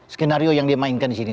skenario yang dia mainkan disini